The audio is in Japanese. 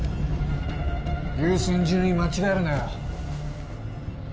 優先順位間違えるなよ。